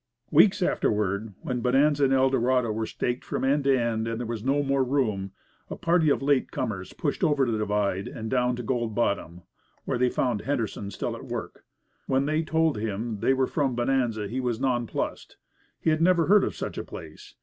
Weeks afterward, when Bonanza and Eldorado were staked from end to end and there was no more room, a party of late comers pushed over the divide and down to Gold Bottom, where they found Henderson still at work. When they told him they were from Bonanza, he was nonplussed. He had never heard of such a place.